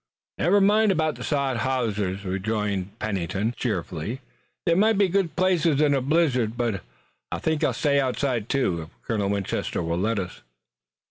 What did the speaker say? "Never mind about the sod houses," rejoined Pennington, cheerfully. "They're mighty good places in a blizzard. But I think I'll stay outside too, if Colonel Winchester will let us."